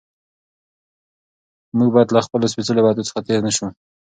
موږ باید له خپلو سپېڅلو وعدو څخه تېر نه شو